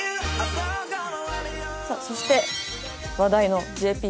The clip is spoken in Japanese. さあそして話題のＪＰさん。